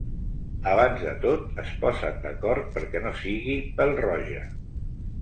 Abans de tot, es posen d'acord perquè no sigui pèl-roja!